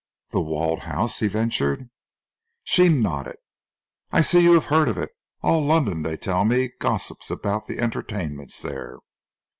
"The Walled House?" he ventured. She nodded. "I see you have heard of it. All London, they tell me, gossips about the entertainments there."